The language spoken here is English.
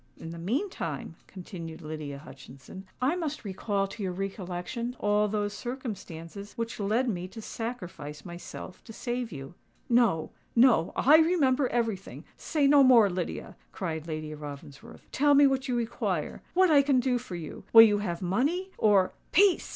In the meantime," continued Lydia Hutchinson, "I must recall to your recollection all those circumstances which led me to sacrifice myself to save you." "No—no: I remember everything. Say no more, Lydia," cried Lady Ravensworth. "Tell me what you require—what I can do for you! Will you have money? or——" "Peace!